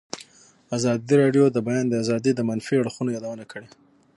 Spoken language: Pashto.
ازادي راډیو د د بیان آزادي د منفي اړخونو یادونه کړې.